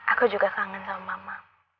aku juga kangen sama mama